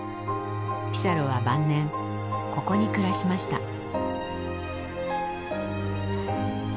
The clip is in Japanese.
ピサロは晩年ここに暮らしました。